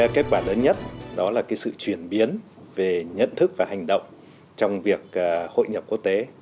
kết quả lớn nhất đó là sự chuyển biến về nhận thức và hành động trong việc hội nhập quốc tế